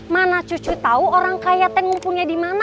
mana cucu tahu orang kaya teh ngumpulnya di mana